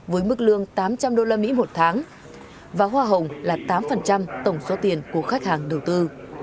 với mức lương tám trăm linh usd một tháng và hoa hồng là tám tổng số tiền của khách hàng đầu tư